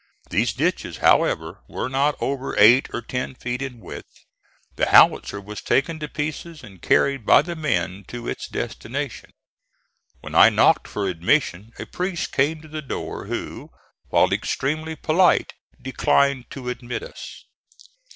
These ditches, however, were not over eight or ten feet in width. The howitzer was taken to pieces and carried by the men to its destination. When I knocked for admission a priest came to the door who, while extremely polite, declined to admit us.